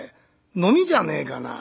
『のみじゃねえかな』。